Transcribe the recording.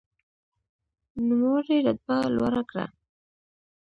نوموړي رتبه لوړه کړه.